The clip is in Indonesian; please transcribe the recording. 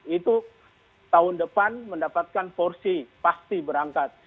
itu tahun depan mendapatkan porsi pasti berangkat